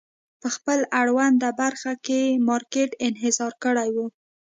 په خپل اړونده برخه کې مارکېټ انحصار کړی و.